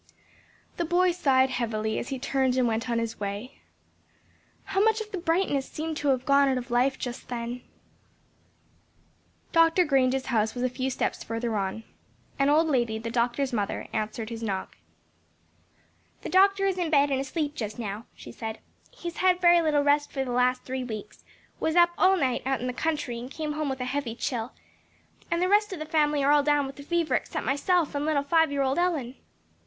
The boy sighed heavily as he turned and went on his way. How much of the brightness seemed to have gone out of life just then. Dr. Grange's house was a few steps further on. An old lady, the doctor's mother, answered his knock. "The doctor is in bed and asleep just now," she said. "He has had very little rest for the last three weeks, was up all night out in the country, and came home with a heavy chill. And the rest of the family are all down with the fever except myself and little five year old Ellen."